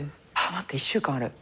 待って１週間ある。